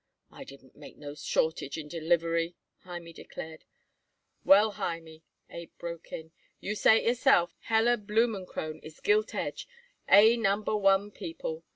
"I didn't make no shortage in delivery," Hymie declared. "Well, Hymie," Abe broke in, "you say it yourself Heller, Blumenkrohn is gilt edge, A Number One people.